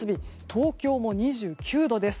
東京も２９度です。